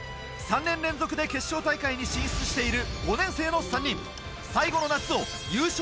３年連続で決勝大会に進出している５年生の３人。